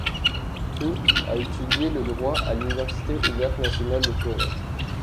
Huh a étudié le droit à l'université ouverte nationale de Corée.